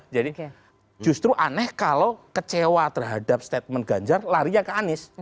jadi justru aneh kalau kecewa terhadap statement ganjar larinya ke anies